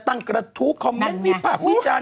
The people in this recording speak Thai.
ตั้งกระทูคอมเมนต์มีปากมีจาน